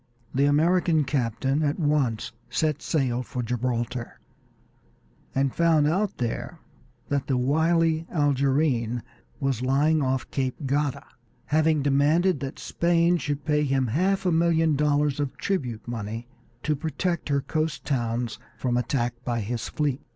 The American captain at once set sail for Gibraltar, and found out there that the wily Algerine was lying off Cape Gata, having demanded that Spain should pay him half a million dollars of tribute money to protect her coast towns from attack by his fleet.